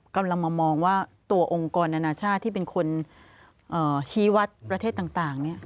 กำลังมามองว่าตัวองค์กรอนานาชาติที่เป็นคนชี้วัดประเทศต่าง